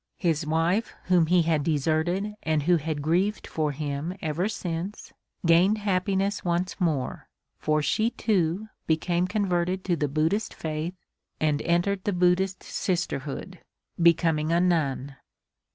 His wife whom he had deserted and who had grieved for him ever since, gained happiness once more, for she too, became converted to the Buddhist faith, and entered the Buddhist sisterhood, becoming a nun.